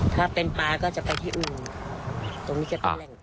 ถ้าเป็นปลาก็จะไปที่อื่นตรงนี้ก็เป็นแหล่งกุ้ง